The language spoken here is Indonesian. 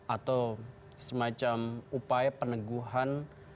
atau semacam upaya peneguhan